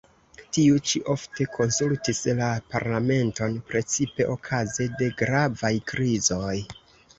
Tiu ĉi ofte konsultis la parlamenton, precipe okaze de gravaj krizoj.